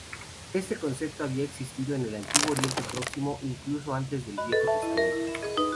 Este concepto había existido en el antiguo oriente próximo incluso antes del Viejo Testamento.